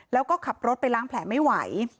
แล้วก็ขับรถไปล้างแผลไม่ไหว